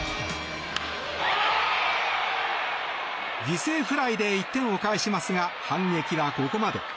犠牲フライで１点を返しますが反撃はここまで。